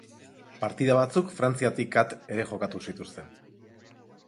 Partida batzuk Frantziatik at ere jokatu zituzten.